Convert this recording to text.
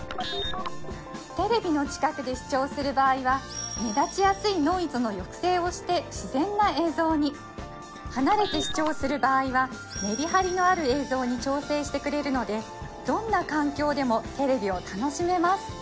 テレビの近くで視聴する場合は目立ちやすいノイズの抑制をして自然な映像に離れて視聴する場合はメリハリのある映像に調整してくれるのでどんな環境でもテレビを楽しめます